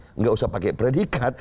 tidak usah pakai predikat